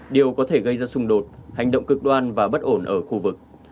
điều có thể gây ra xung đột hành động cực đoan và bất ổn ở khu vực